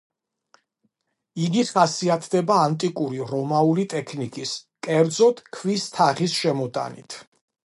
იგი ხასიათდება ანტიკური რომაული ტექნიკის, კერძოდ ქვის თაღის შემოტანით.